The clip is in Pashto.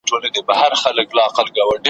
ماشوم ویني په قلا کي توري، غشي، توپکونه ,